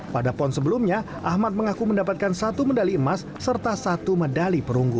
pada pon sebelumnya ahmad mengaku mendapatkan satu medali emas serta satu medali perunggu